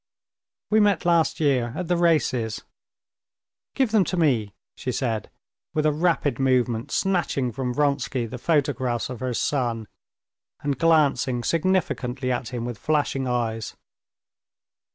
"We met last year at the races. Give them to me," she said, with a rapid movement snatching from Vronsky the photographs of her son, and glancing significantly at him with flashing eyes.